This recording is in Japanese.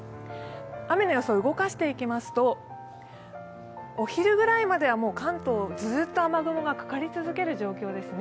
動かしていきますと、お昼ぐらいまでは関東ずっと雨雲がかかり続ける状況ですね。